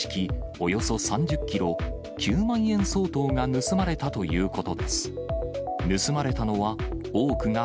およそ３０キロ、９万円相当が盗まれたということです。